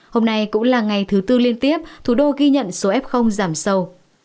hôm nay cũng là ngày thứ tư liên tiếp thủ đô ghi nhận số f giảm sâu